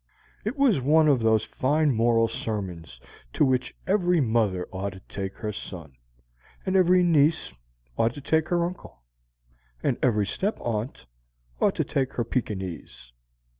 It was one of those fine moral sermons to which every mother ought to take her son, and every niece ought to take her uncle, and every stepaunt ought to take her Pekingese.